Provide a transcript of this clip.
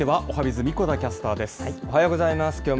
おはようございます。